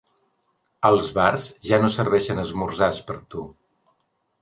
Als bars ja no serveixen esmorzars per a tu.